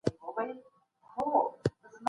او که ئې خاوند د هغې له انفاق څخه ډډه کوله.